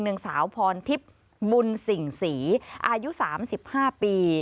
นางสาวพรทิพย์บุญสิ่งศรีอายุ๓๕ปี